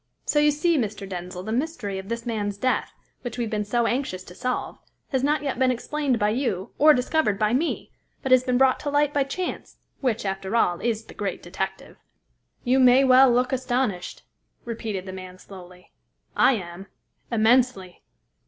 So you see, Mr. Denzil, the mystery of this man's death, which we have been so anxious to solve, has not been explained by you, or discovered by me, but has been brought to light by chance, which, after all, is the great detective. You may well look astonished," repeated the man slowly; "I am immensely."